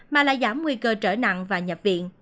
mà là giảm nguy cơ trở nặng và nhập viện